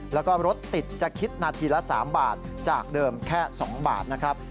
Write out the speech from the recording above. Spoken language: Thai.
แล้วก็รถติดจะคิดนาทีละ๓บาทจากเดิมแค่๒บาทนะครับ